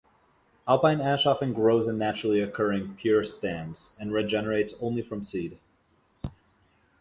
Alpine ash often grows in naturally occurring pure stands and regenerates only from seed.